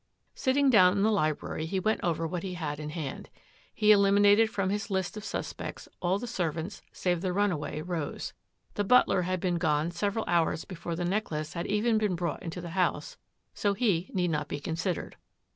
Sitting down in the library, he went over what he had in hand. He eliminated from his list of suspects all the servants save the runaway. Rose. The butler had been gone several hours before the necklace had even been brought into the house, so he need not be considered.